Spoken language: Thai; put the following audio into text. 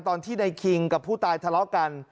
ตอนที่ในคิงกับผู้ตายทะเลาะกัน